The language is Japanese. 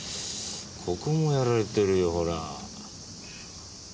ここもやられてるよほら。